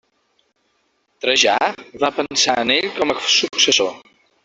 Trajà va pensar en ell com a successor.